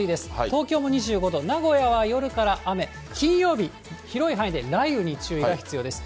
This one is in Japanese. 東京も２５度、名古屋は夜から雨、金曜日、広い範囲で雷雨に注意が必要です。